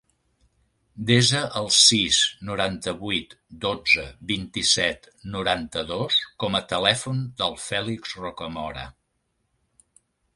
Desa el sis, noranta-vuit, dotze, vint-i-set, noranta-dos com a telèfon del Fèlix Rocamora.